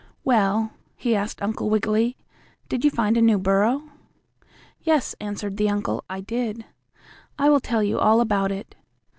"Well," he asked Uncle Wiggily, "did you find a new burrow?" "Yes," answered the uncle, "I did. I will tell you all about it.